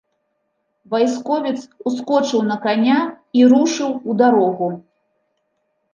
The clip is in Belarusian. Вайсковец ускочыў на каня і рушыў у дарогу.